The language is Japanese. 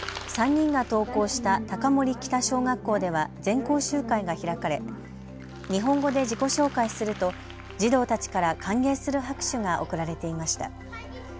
３人が登校した高森北小学校では全校集会が開かれ日本語で自己紹介すると児童たちから歓迎する拍手が送られていました。